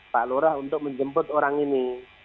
pak lurah untuk menjemput orang ini